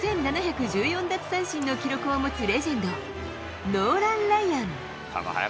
奪三振の記録を持つレジェンド、ノーラン・ライアン。